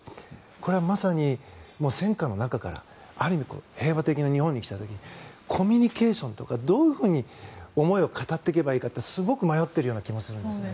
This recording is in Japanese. これはまさに戦禍の中から平和的な日本に来た時コミュニケーションとかどういうふうに思いを語っていけばいいかってすごく迷っているような気がするんですよね。